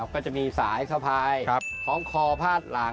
ก็จะมีสายสาภายของคอมควายสายสาภาย